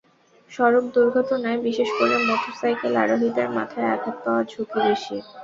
সড়ক দুর্ঘটনায়, বিশেষ করে মোটরসাইকেল আরোহীদের মাথায় আঘাত পাওয়ার ঝুঁকি বেশি।